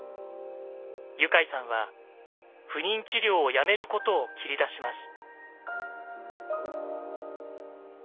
ユカイさんは不妊治療をやめることを切り出します。